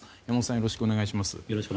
山本さんよろしくお願いします。